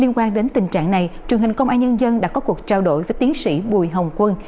liên quan đến tình trạng này truyền hình công an nhân dân đã có cuộc trao đổi với tiến sĩ bùi hồng quân